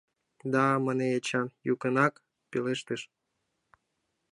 — Да! — мане Эчан, йӱкынак пелештыш.